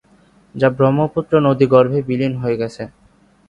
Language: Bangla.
যা ব্রহ্মপুত্র নদী গর্ভে বিলীন হয়ে গেছে।